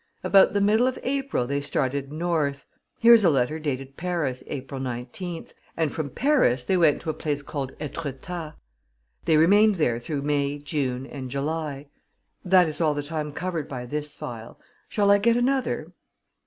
About the middle of April, they started north here's a letter dated Paris, April 19th and from Paris they went to a place called Etretat. They remained there through May, June, and July. That is all the time covered by this file. Shall I get another?"